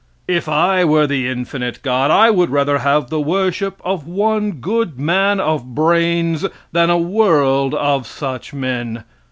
If I were the infinite God, I would rather have the worship of one good man of brains than a world of such men.